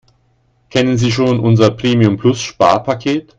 Kennen Sie schon unser Premium-Plus-Sparpaket?